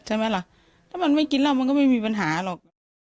ใช่ไหมล่ะถ้ามันไม่กินเหล้ามันก็ไม่มีปัญหาหรอก